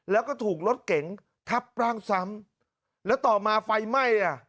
แล้วก็ถูกรถเก๋งทับร่างซ้ำแล้วต่อมาไฟไหม้อ่ะ